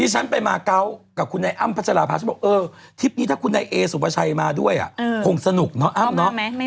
ฉันไปมาเกาะกับคุณนายอ้ำพัชราภาฉันบอกเออทริปนี้ถ้าคุณนายเอสุปชัยมาด้วยคงสนุกเนาะอ้ำเนาะ